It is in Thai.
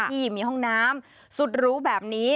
ที่มีห้องน้ำสุดรู้แบบนี้